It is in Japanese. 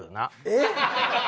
えっ？